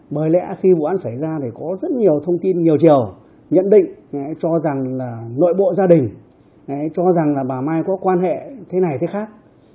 bởi lẽ khi vụ án xảy ra thì có rất nhiều thông tin nhiều chiều nhận định cho rằng là nội bộ gia đình cho rằng là bà mai có quan hệ thế này thế khác